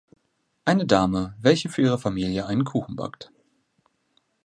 Eine Dame, welche für ihre Familie einen Kuchen backt.